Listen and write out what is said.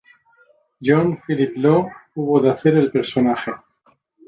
John Phillip Law hubo de hacer el personaje.